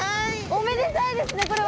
おめでタイですねこれは。